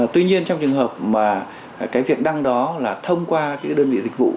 tuy nhiên trong trường hợp mà cái việc đăng đó là thông qua cái đơn vị dịch vụ